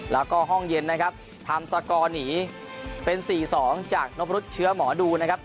แล้วก็ห้องเย็นนะครับทำสกอร์หนีเป็น๔๒จากนพรุษเชื้อหมอดูนะครับ